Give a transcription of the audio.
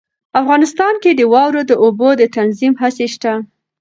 افغانستان کې د واورو د اوبو د تنظیم هڅې شته.